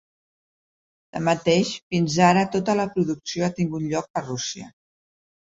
Tanmateix, fins ara tota la producció ha tingut lloc a Rússia.